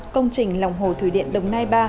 công trình lòng hồ thủy điện đồng nai ba